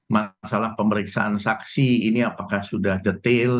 masalah pemeriksaan saksi ini apakah sudah detil